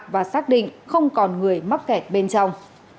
và xác định không còn người mắc kẹt bên trong